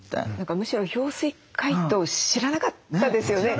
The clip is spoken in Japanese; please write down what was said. むしろ氷水解凍を知らなかったですよね。